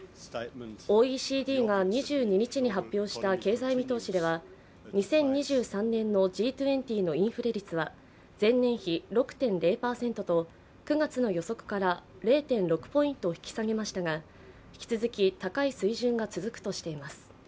ＯＥＣＤが２２日に発表した経済見通しでは２０２３年のＧ２０のインフレ率は前年比６．０％と９月の予測から０．６ポイント引き下げましたが引き続き高い水準が続くとしています。